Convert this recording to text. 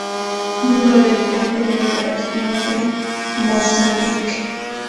Miembro del Frente de Liberación de Mozambique.